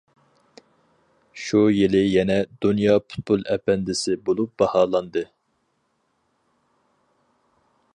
شۇ يىلى يەنە «دۇنيا پۇتبول ئەپەندىسى» بولۇپ باھالاندى.